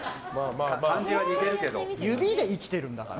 指で生きてるんだから。